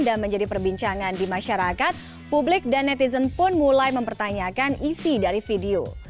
dan menjadi perbincangan di masyarakat publik dan netizen pun mulai mempertanyakan isi dari video